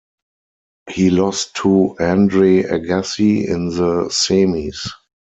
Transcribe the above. He lost to Andre Agassi in the semis.